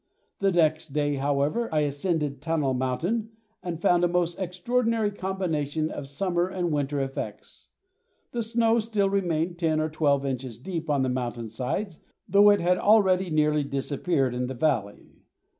The next day, however, I ascended Tunnel Mountain and found a most extraordinary combination of summer and winter effects. The snow still remained ten or twelve inches deep on the mountain sides, though it had already nearly disappeared in the valley.